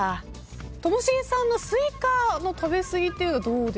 ともしげさんのスイカの食べ過ぎはどうですかね。